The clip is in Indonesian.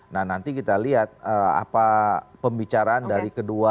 nah nanti kita lihat apa pembicaraan dari kedua